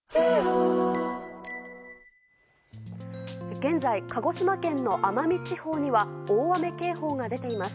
現在、鹿児島県の奄美地方には大雨警報が出ています。